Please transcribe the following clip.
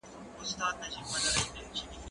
زه له سهاره ليکلي پاڼي ترتيب کوم،